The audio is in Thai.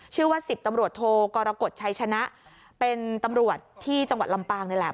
ชื่อว่า๑๐ตำรวจโทกรกฎชัยชนะเป็นตำรวจที่จังหวัดลำปางนี่แหละ